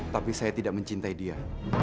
tapi saya tidak mencintai dia